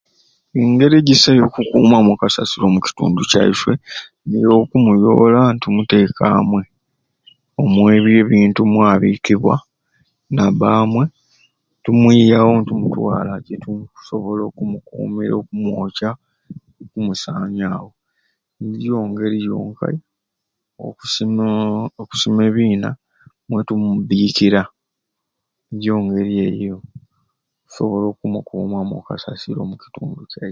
Engeri egyisai eya kukumamu okasasiro omu kitundu kyaiswe niyo okumuyola nitumuteka amwei omwebyo ebintu mwabikibwa naba amwei nitumwiyawo nitumutwala gyetukusobola omukumira okumwoca oku musanyawo niyo ngeri yonkai okusima okusima ebiina mwetumubikira njo engeri eyo gyetukusobola okumukumamu okasasiro omu kitundu kyaiswe